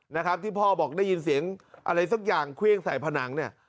นะครับที่พ่อบอกได้ยินเสียงอะไรสักอย่างเครื่องใส่ผนังเนี่ย